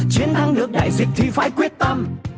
chiến thắng được đại dịch thì phải quyết tâm